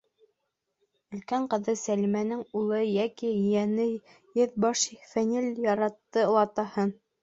Өлкән ҡыҙы Сәлимәнең улы, йәки ейәне еҙ баш Фәнил яратты олатаһын.